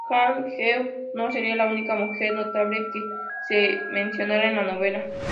Jang-geum no sería la única mujer notable que se menciona en la novela.